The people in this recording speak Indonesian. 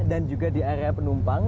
dan juga di area penumpang